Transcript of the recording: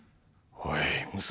おい娘